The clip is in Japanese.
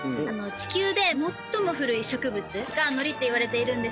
地球で最も古い植物がのりっていわれているんですよ。